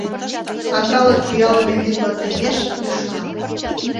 А калык пӱялыме вӱдла темеш, лӱшка.